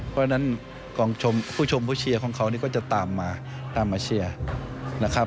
เพราะฉะนั้นผู้ชมผู้เชียร์ของเขานี่ก็จะตามมาเชียร์